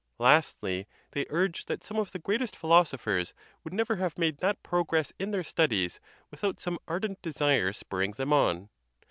Lastly, they urge that some of the greatest philosophers would never have made that prog ress in their studies without some ardent desire spurring them on.